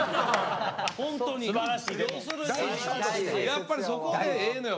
やっぱりそこでええのよ。